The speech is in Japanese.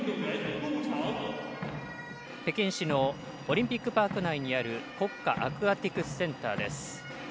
北京市のオリンピックパーク内にある国家アクアティクスセンターです。